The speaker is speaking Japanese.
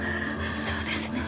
そうですね。